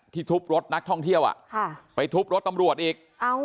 ทุบรถนักท่องเที่ยวไปทุบรถตำรวจอีก